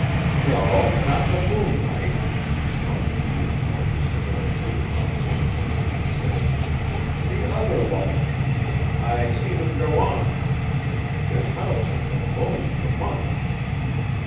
"No, not the moonlight," responded the uniformed similitude of Officer 666, "the other light. I seen 'em go on. This house has been closed for months."